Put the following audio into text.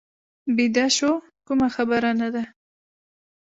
بیده شو، کومه خبره نه ده.